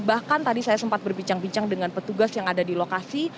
bahkan tadi saya sempat berbincang bincang dengan petugas yang ada di lokasi